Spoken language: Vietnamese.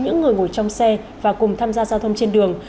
những người ngồi trong xe và cùng tham gia giao thông trên đường